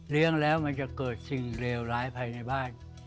แล้วมันจะเกิดสิ่งเลวร้ายภายในบ้าน